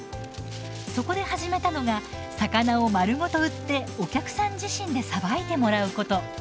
そこで始めたのが魚を丸ごと売ってお客さん自身でさばいてもらうこと。